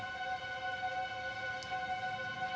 mana ada ustadz sakarya lagi